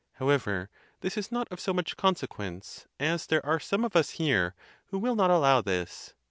However, this is not of so much consequence, as there are some of us here who will not allow this.